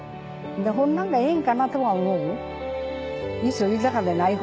ほんなんがええんかなとは思う。